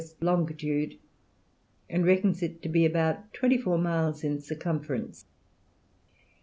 long., and reckons it to be about twenty four miles in circumference.